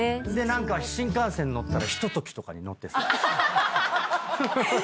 何か新幹線乗ったら『ひととき』とかに載ってそう。